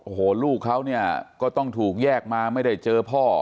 โอ้โหลูกเขาเนี่ยก็ต้องถูกแยกมาไม่ได้เจอพ่อ